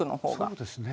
そうですね。